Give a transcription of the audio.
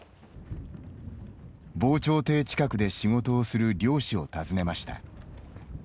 防潮堤近くで仕事をする漁師を訪ねました。